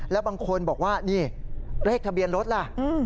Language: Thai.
แล้วบางคนบอกว่านี่เลขทะเบียนรถล่ะ